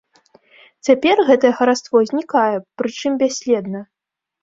Цяпер гэтае хараство знікае, прычым бясследна.